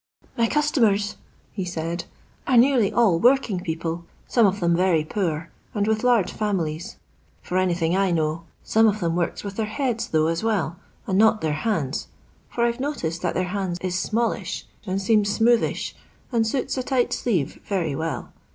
" My customers," he said, "are nearly all working people, some of them very poor, and with large families. For anything I know, i LONDON LABOUR AND THE LONDON POOR. 41 of them worki with their heads, though, as well, and not their hands, fur I 've noticed that their hands is smallish and seems smoothish, and suits a tight sleeve very well.